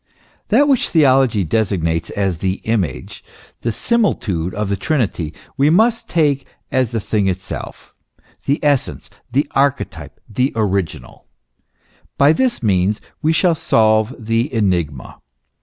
That which theology designates as the image, the simi litude of the Trinity, we must take as the thing itself, the essence, the archetype, the original; by this means we shall solve the enigma.